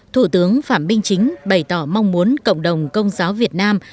thủ tướng phạm minh chính bày tỏ mong muốn cộng đồng công giáo việt nam